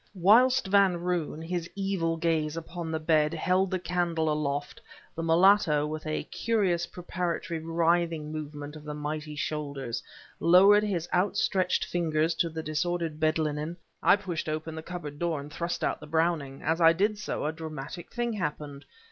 Whilst Van Roon, his evil gaze upon the bed, held the candle aloft, the mulatto, with a curious preparatory writhing movement of the mighty shoulders, lowered his outstretched fingers to the disordered bed linen... I pushed open the cupboard door and thrust out the Browning. As I did so a dramatic thing happened.